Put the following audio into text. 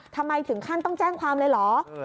ถึงขั้นต้องแจ้งความเลยเหรอ